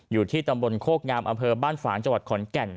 อยู่ที่ตำบลโคกงามอำเภอบ้านฝางจังหวัดขอนแก่น